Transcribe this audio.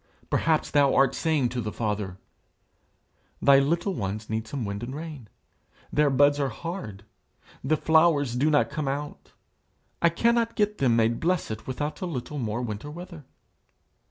Perhaps thou art saying to the Father, "Thy little ones need some wind and rain: their buds are hard; the flowers do not come out. I cannot get them made blessed without a little more winter weather."